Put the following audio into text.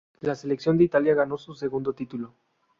La selección de Italia ganó su segundo título.